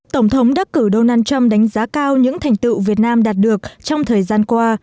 tổng thống đắc cử donald trump đánh giá cao những thành tựu việt nam đạt được trong thời gian qua